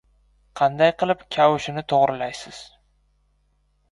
— Qanday qilib kavushini to‘g‘rilaysiz?